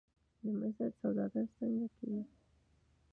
د زمرد سوداګري څنګه کیږي؟